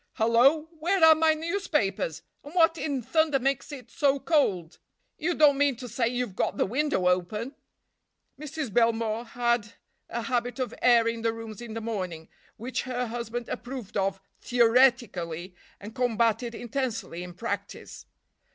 Hello, where are my newspapers—and what in thunder makes it so cold? You don't mean to say you've got the window open?" Mrs. Belmore had a habit of airing the rooms in the morning, which her husband approved of theoretically, and combated intensely in practice.